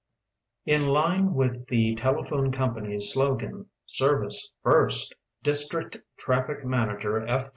In line with the telephone company’s slogan “Service First”, District Traffic Manager F.